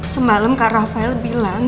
semalam kak rafael bilang